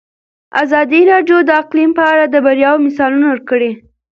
ازادي راډیو د اقلیم په اړه د بریاوو مثالونه ورکړي.